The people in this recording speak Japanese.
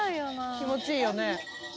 気持ちいいよね。